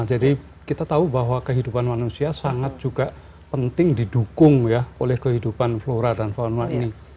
jadi kita tahu bahwa kehidupan manusia sangat juga penting didukung ya oleh kehidupan flora dan fauna ini